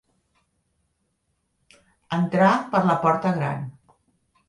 Entrar per la porta gran.